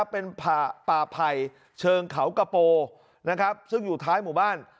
เป็นป่าไผ่เชิงเขากะโปซึ่งอยู่ท้ายหมู่บ้าน